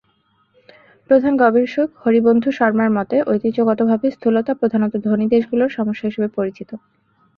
প্রধান গবেষক হরিবন্ধু শর্মার মতে, ঐতিহ্যগতভাবে স্থূলতা প্রধানত ধনী দেশগুলোর সমস্যা হিসেবে পরিচিত।